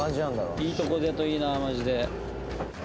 いいとこだといいなマジで。